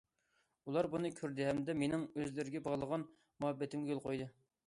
ئۇلار بۇنى كۆردى ھەمدە مېنىڭ ئۆزلىرىگە باغلىغان مۇھەببىتىمگە يول قويدى.